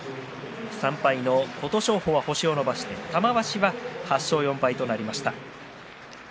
３敗の琴勝峰は星を伸ばして玉鷲が８勝４敗になりました。